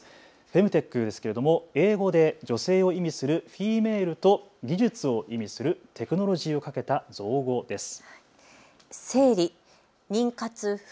フェムテックですけれども英語で女性を意味するフィメールと技術を意味するテクノロジーをかけた造語です。